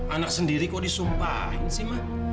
anak sendiri kok disumpahin sih mah